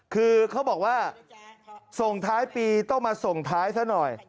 คือเขาบอกว่าส่งท้ายปีต้องมาส่งท้ายซะหน่อย